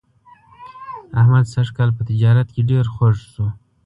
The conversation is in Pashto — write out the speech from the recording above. احمد سږ کال په تجارت کې ډېر خوږ شو.